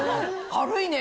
軽いね！